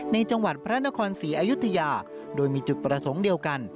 จังหวัดพระนครศรีอยุธยาโดยมีจุดประสงค์เดียวกัน